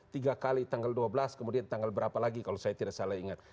tiga kali tanggal dua belas kemudian tanggal berapa lagi kalau saya tidak salah ingat